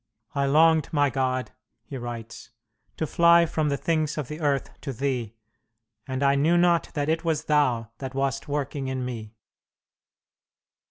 "I longed, my God," he writes, "to fly from the things of earth to Thee, and I knew not that it was Thou that wast working in me